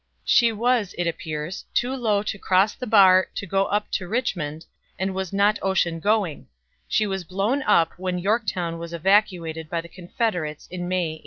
She was, it appears, too low to cross the bar to go up to Richmond, and was not ocean going; she was blown up when Yorktown was evacuated by the Confederates in May, 1862.